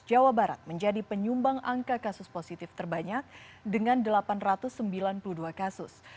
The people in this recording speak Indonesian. jawa barat menjadi penyumbang angka kasus positif terbanyak dengan delapan ratus sembilan puluh dua kasus